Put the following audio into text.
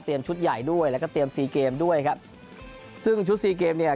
ชุดใหญ่ด้วยแล้วก็เตรียมซีเกมด้วยครับซึ่งชุดสี่เกมเนี่ย